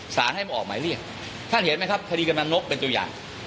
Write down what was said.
สารให้มาออกหมายเรียกท่านเห็นไหมครับคดีกำลังนกเป็นตัวอย่าง